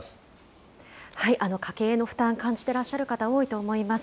家計への負担、感じてらっしゃる方、多いと思います。